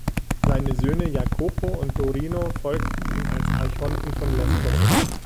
Seine Söhne Jacopo und Dorino folgten ihm als Archonten von Lesbos nach.